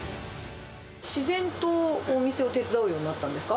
自然とお店を手伝うようになったんですか？